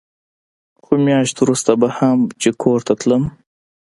خو مياشت وروسته به هم چې کور ته تلم.